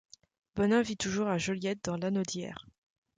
Bonin vit toujours à Joliette, dans Lanaudière.